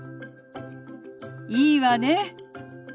いいわね。